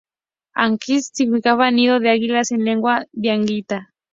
Ancasti significa "nido de águilas" en lengua diaguita.